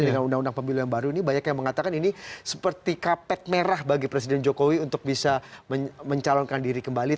dengan undang undang pemilu yang baru ini banyak yang mengatakan ini seperti kapet merah bagi presiden jokowi untuk bisa mencalonkan diri kembali